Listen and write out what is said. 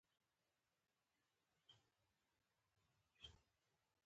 هوښیار خلک کمې، خو مؤثرې خبرې کوي